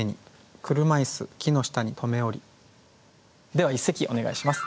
では一席お願いします。